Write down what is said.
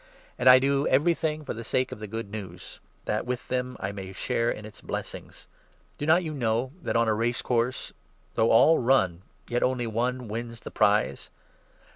And I do everything for the sake 23 of the Good News, that with them I may share in its blessings. Do not you know that on a race course, though all run, 24 yet only one wins the prize